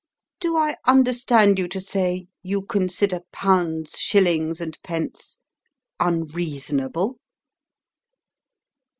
"Do I understand you to say, you consider pounds, shillings, and pence UNREASONABLE?"